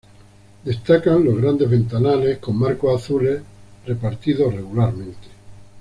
Destacan los grandes ventanales, con marcos azules, repartidos regularmente.